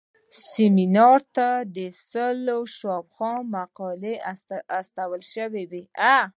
سیمینار ته د سلو شاوخوا مقالې استول شوې وې.